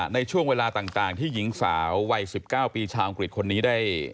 ในช่วงเวลาต่างที่หญิงสาววัย๑๙ปีชาวอังกฤษคนนี้ได้